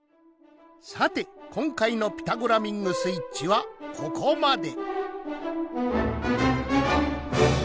さてこんかいの「ピタゴラミングスイッチ」はここまで！